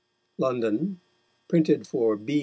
_London, printed for B.